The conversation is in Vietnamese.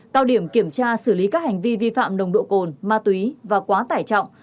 cao điểm kiểm tra xử lý các hành vi vi phạm nồng độ cồn ma túy và quá tải trọng